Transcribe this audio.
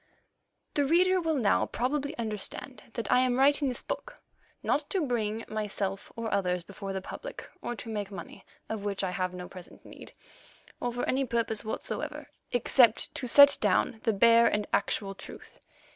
The reader will now probably understand that I am writing this book, not to bring myself or others before the public, or to make money of which I have no present need, or for any purpose whatsoever, except to set down the bare and actual truth.